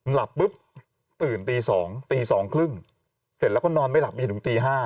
หลับปุ๊บตื่นตี๒ตี๒๓๐เสร็จแล้วก็นอนไม่หลับไปจนถึงตี๕